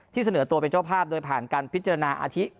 เสนอตัวเป็นเจ้าภาพโดยผ่านการพิจารณาอาทิต